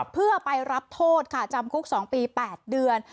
เพื่อไปรับโทษจำคุกสองปีแปดเดือน